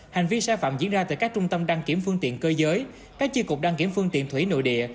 hành vi sai phạm diễn ra từ các trung tâm đăng kiểm phương tiện cơ giới các chi cục đăng kiểm phương tiện thủy nội địa